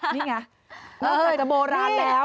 นี่ไงนอกจากจะโบราณแล้ว